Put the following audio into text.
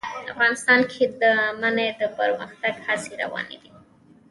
افغانستان کې د منی د پرمختګ هڅې روانې دي.